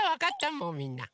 もうみんな。